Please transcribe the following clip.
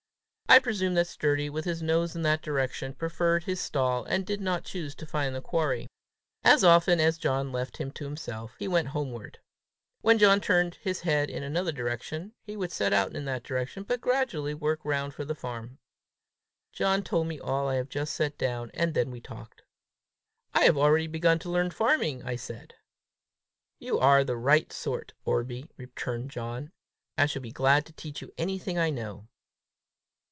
I presume that Sturdy, with his nose in that direction, preferred his stall, and did not choose to find the quarry. As often as John left him to himself, he went homeward. When John turned his head in another direction, he would set out in that direction, but gradually work round for the farm. John told me all I have just set down, and then we talked. "I have already begun to learn farming," I said. "You are the right sort, Orbie!" returned John. "I shall be glad to teach you anything I know."